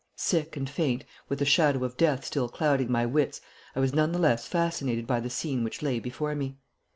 Sick and faint, with the shadow of death still clouding my wits, I was none the less fascinated by the scene which lay before me.